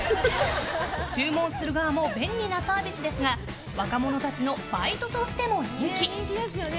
注文する側も便利なサービスですが若者たちのバイトとしても人気。